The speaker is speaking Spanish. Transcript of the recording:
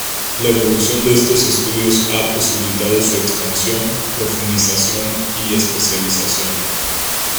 La evolución de estos estudios ha posibilitado su expansión, profundización y especialización.